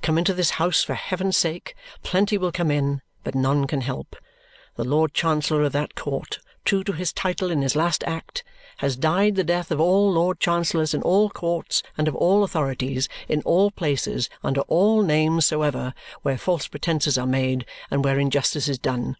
Come into this house for heaven's sake! Plenty will come in, but none can help. The Lord Chancellor of that court, true to his title in his last act, has died the death of all lord chancellors in all courts and of all authorities in all places under all names soever, where false pretences are made, and where injustice is done.